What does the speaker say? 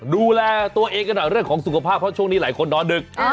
ดูแลตัวเองกันหน่อยเรื่องของสุขภาพเพราะช่วงนี้หลายคนนอนดึก